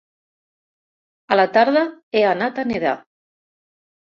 A la tarda he anat a nedar.